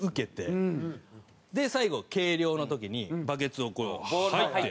で最後計量の時にバケツをこう「はい」って。